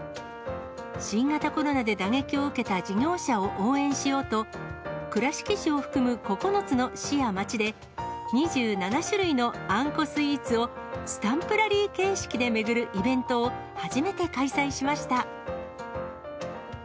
新型コロナで打撃を受けた事業者を応援しようと、倉敷市を含む９つの市や町で、２７種類のあんこスイーツを、スタンプラリー形式で巡るイベントを初めて開催しました。